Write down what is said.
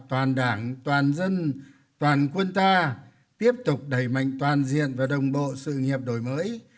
toàn đảng toàn dân toàn quân ta tiếp tục đẩy mạnh toàn diện và đồng bộ sự nghiệp đổi mới